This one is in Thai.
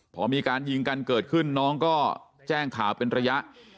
พอมีการยิงกันเกิดขึ้นน้องก็แจ้งข่าวเป็นระยะ